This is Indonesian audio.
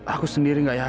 aku sendiri nggak yakin